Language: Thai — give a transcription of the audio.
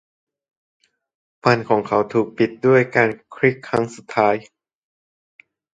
ฟันของเขาถูกปิดด้วยการคลิกครั้งสุดท้าย